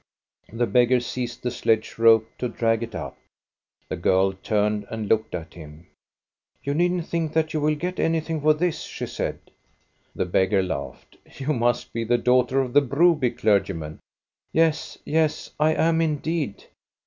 The beggar seized the sled rope to drag it up. The girl turned and looked at him. "You needn't think that you will get anything for this," she said. The beggar laughed. " You must be the daughter of the Broby clergy man." Yes, yes, I am indeed.